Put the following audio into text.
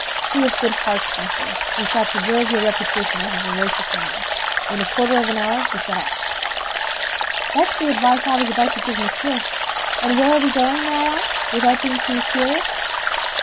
"Be of good heart, Planchet, you shall preserve your reputation as a veracious man. In a quarter of an hour we set off." "That's the advice I was about to give Monsieur; and where are we going, may I ask, without being too curious?"